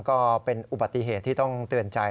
ก็เป็นอุบัติเหตุที่ต้องเตือนใจ